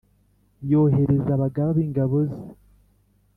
yohereza abagaba b’ingabo ze